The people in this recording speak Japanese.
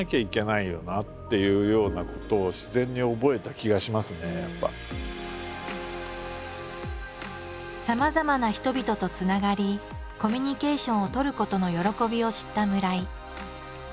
それからまあやっぱりさまざまな人々とつながりコミュニケーションを取ることの喜びを知った村井。